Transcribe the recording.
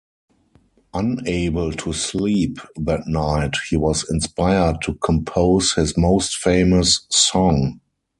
Unable to sleep that night, he was inspired to compose his most famous song.